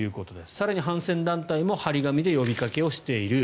更に反戦団体も貼り紙で呼びかけをしている。